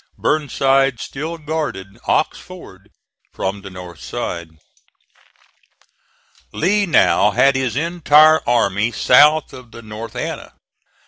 Burnside still guarded Ox Ford from the north side. Lee now had his entire army south of the North Anna.